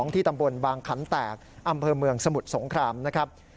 ที่ตำบลบางขันแตกอำเภอเมืองสมุทรสงครามนะครับ